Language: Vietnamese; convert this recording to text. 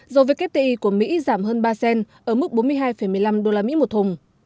dầu wti của mỹ giảm hơn ba cent ở mức bốn mươi hai một mươi năm usd một thùng